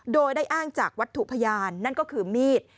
โดยได้อ้างจากวัตถุพยานนั่นก็คือมีด